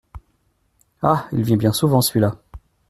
Ah ! il vient bien souvent, celui-là !